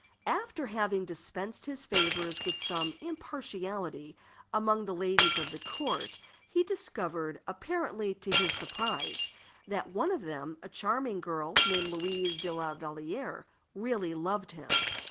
After having dispensed his favors with some impartiality among the ladies of the court, he discovered, apparently to his surprise, that one of them, a charming girl, named Louise de la Vallière, really loved him.